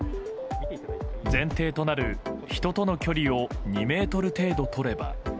前提となる人との距離を２ｍ程度とれば。